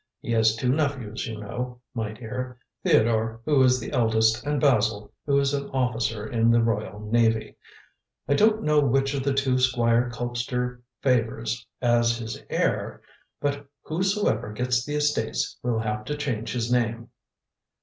He has two nephews, you know, my dear: Theodore, who is the eldest, and Basil, who is an officer in the Royal Navy. I don't know which of the two Squire Colpster favours as his heir, but whosoever gets the estates will have to change his name."